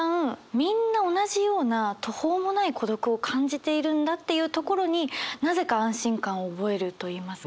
みんな同じような途方もない孤独を感じているんだっていうところになぜか安心感を覚えるといいますか。